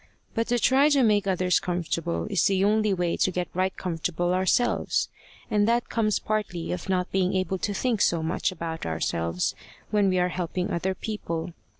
But to try to make others comfortable is the only way to get right comfortable ourselves, and that comes partly of not being able to think so much about ourselves when we are helping other people.